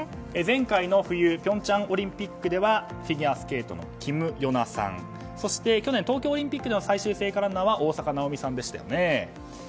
前回の冬平昌オリンピックではフィギュアスケートのキム・ヨナさんそして去年、東京オリンピックの最終聖火ランナーは大坂なおみさんでしたよね。